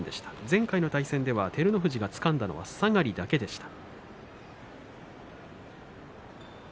前回の対戦では照ノ富士がつかんだのは下がりだけでした。